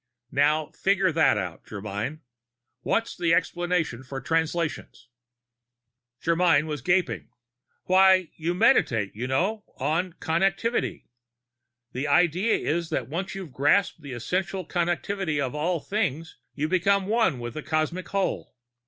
Now figure that out, Germyn. What's the explanation for Translations?" Germyn was gaping. "Why you Meditate, you know. On Connectivity. The idea is that once you've grasped the Essential Connectivity of All Things, you become One with the Cosmic Whole.